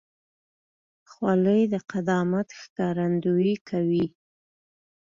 خولۍ د قدامت ښکارندویي کوي.